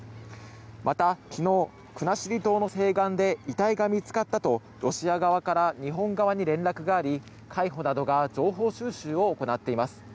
また、昨日、国後島の西岸で遺体が見つかったとロシア側から日本側に連絡があり海保などが情報収集を行っています。